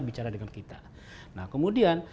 bicara dengan kita nah kemudian